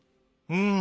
うん。